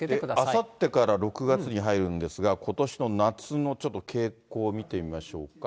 あさってから６月に入るんですが、ことしの夏のちょっと傾向見てみましょうか。